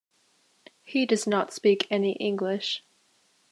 He does not speak any English.